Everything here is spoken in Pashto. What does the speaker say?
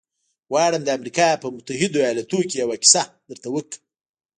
غواړم د امریکا په متحدو ایالتونو کې یوه کیسه درته وکړم